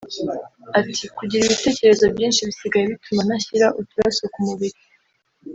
Ati”Kugira ibitekerezo byinshi bisigaye bituma ntashyira uturaso ku mubiri